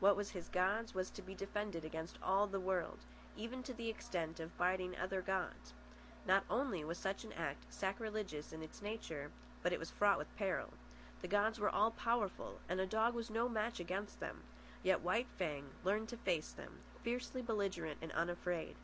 What was his god's was to be defended against all the world—even to the extent of biting other gods. Not only was such an act sacrilegious in its nature, but it was fraught with peril. The gods were all powerful, and a dog was no match against them; yet White Fang learned to face them, fiercely belligerent and unafraid.